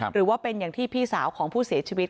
หรือว่าเป็นอย่างที่พี่สาวของผู้เสียชีวิต